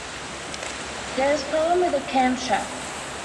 There is a problem with the camshaft.